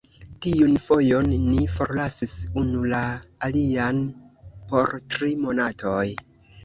Tiun fojon, ni forlasis unu la alian por tri monatoj.